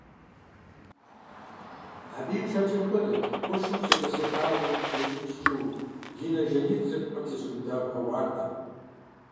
Абы и плъэкӀэр хуэдэт къуршым щетӀысэхауэ ущӀиджыкӀыу и нэ жанитӀыр къыптезубыда бгъэ уардэм.